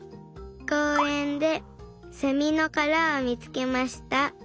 こうえんでセミのからをみつけました。